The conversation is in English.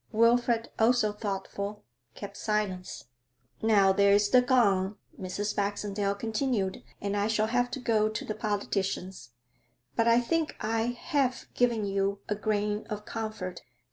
Wilfrid, also thoughtful, kept silence. 'Now, there's the gong,' Mrs. Baxendale continued, 'and I shall have to go to the politicians. But I think I have given you a grain of comfort.